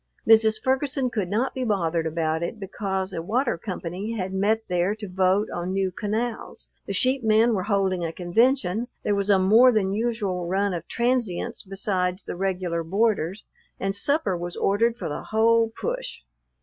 Mrs. Ferguson could not be bothered about it, because a water company had met there to vote on new canals, the sheep men were holding a convention, there was a more than usual run of transients besides the regular boarders, and supper was ordered for the whole push.